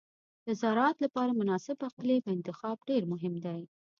د زراعت لپاره مناسب اقلیم انتخاب ډېر مهم دی.